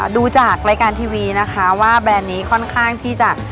ดูจากรายการทีวีนะคะว่าแบรนด์นี้ค่อนข้างที่จะ